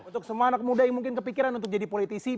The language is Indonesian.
untuk semua anak muda yang mungkin kepikiran untuk jadi politisi